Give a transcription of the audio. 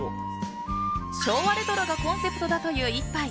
昭和レトロがコンセプトだという一杯。